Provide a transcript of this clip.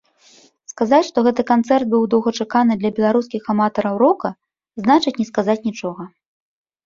Сказаць, што гэты канцэрт быў доўгачаканы для беларускіх аматараў рока, значыць не сказаць нічога.